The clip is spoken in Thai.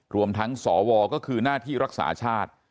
รวมทั้งสวก็คือหน้าที่รักษาชาติ